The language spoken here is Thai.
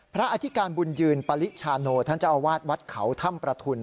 อธิการบุญยืนปริชาโนท่านเจ้าอาวาสวัดเขาถ้ำประทุน